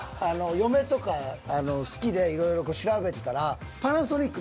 嫁とか好きでいろいろ調べてたら「パナソニック」